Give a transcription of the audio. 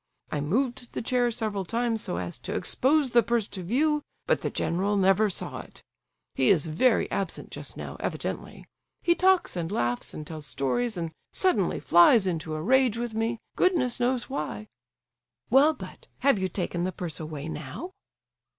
I moved the chair several times so as to expose the purse to view, but the general never saw it. He is very absent just now, evidently. He talks and laughs and tells stories, and suddenly flies into a rage with me, goodness knows why." "Well, but—have you taken the purse away now?"